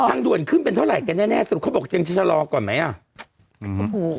ทางด่วนขึ้นเป็นเท่าไหร่กันแน่แน่สรุปเขาบอกยังจะชะลอก่อนไหมอ่ะอืม